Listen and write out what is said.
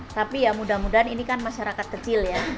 tapi ya mudah mudahan ini kan masyarakat kecil ya